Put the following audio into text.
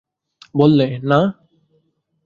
বললে, না।